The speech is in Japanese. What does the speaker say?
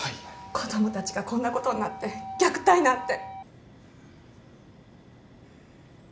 子供たちがこんなことになって虐待なんて。